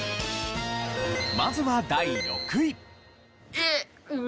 まずは第６位。